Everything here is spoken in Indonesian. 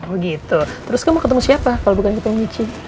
oh gitu terus kamu ketemu siapa kalau bukan kita yang ngici